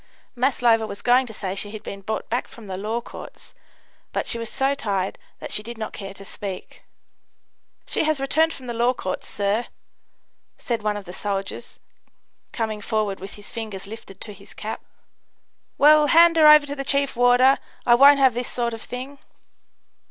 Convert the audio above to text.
Maslova was going to say she had been brought back from the Law Courts, but she was so tired that she did not care to speak. "She has returned from the Law Courts, sir," said one of the soldiers, coming forward with his fingers lifted to his cap. "Well, hand her over to the chief warder. I won't have this sort of thing."